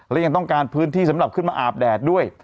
และยังต้องการพื้นที่สำหรับขึ้นมาอาบแดดด้วย